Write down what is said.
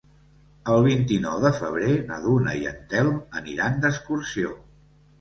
El vint-i-nou de febrer na Duna i en Telm aniran d'excursió.